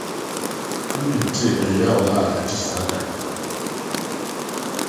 Na mentee ɛyaw a ɛte saa da.